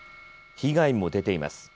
被害も出ています。